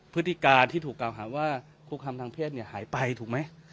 พฤติการที่ถูกกล่าวหาว่าคุกคำทางเพศหายไปถูกไหม